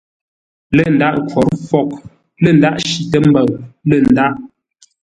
Lə̂ ndâghʼ ńkhwǒr fwôghʼ, lə̂ ndâghʼ shitə́ mbəʉ, lə̂ ndâghʼ.